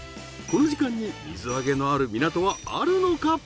この時間に水揚げのある港はあるのか？